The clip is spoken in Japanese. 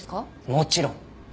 もちろん。